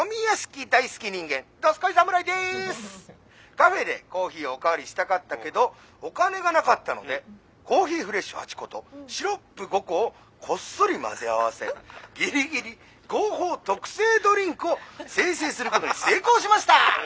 カフェでコーヒーをお代わりしたかったけどお金がなかったのでコーヒーフレッシュ８個とシロップ５個をこっそり混ぜ合わせギリギリ合法特性ドリンクを生成することに成功しました！』。